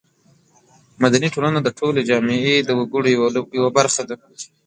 مدني ټولنه د ټولې جامعې د وګړو یوه برخه ده.